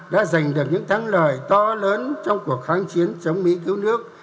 đã giành được những thắng lợi to lớn trong cuộc kháng chiến chống mỹ cứu nước